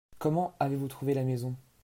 Comment avez-vous trouvé la maison ?